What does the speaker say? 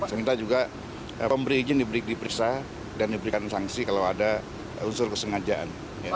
saya minta juga pemberi izin diperiksa dan diberikan sanksi kalau ada unsur kesengajaan